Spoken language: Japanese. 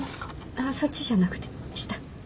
あっそっちじゃなくて下。